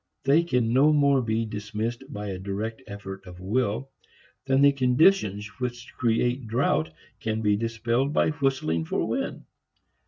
They can no more be dismissed by a direct effort of will than the conditions which create drought can be dispelled by whistling for wind.